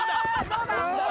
どうだ？